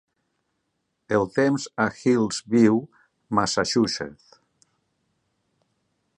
el temps a Hillsview, Massachusetts